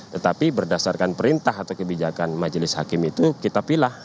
tetapi berdasarkan perintah atau kebijakan majelis hakim itu kita pilih